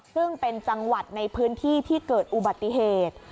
ซึ่งเป็นจังหวัดในพื้นที่ที่เกิดอุบัติเหตุ